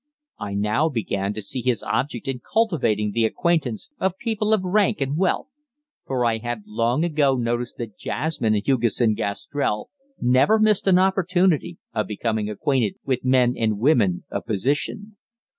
I now began to see his object in cultivating the acquaintance of people of rank and wealth; for I had long ago noticed that Jasmine and Hugesson Gastrell never missed an opportunity of becoming acquainted with men and women of position.